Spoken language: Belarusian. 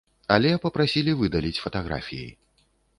Але папрасілі выдаліць фатаграфіі.